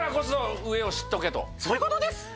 そういうことです。